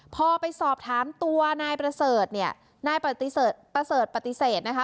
พอไปสอบถามตัวนายประเสริฐเนี่ยนายประเสริฐปฏิเสธนะคะ